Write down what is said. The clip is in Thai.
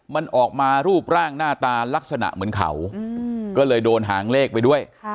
มันออกมารูปร่างหน้าตาลักษณะเหมือนเขาก็เลยโดนหางเลขไปด้วย